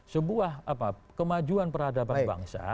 sebuah kemajuan peradaban bangsa